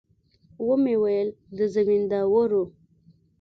ومې ويل د زمينداورو.